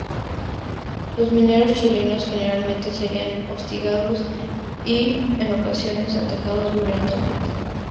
Los mineros chilenos generalmente serían hostigados y, en ocasiones, atacados violentamente.